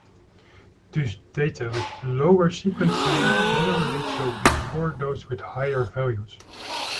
Thus, data with lower sequence numbers generally go before those with higher values.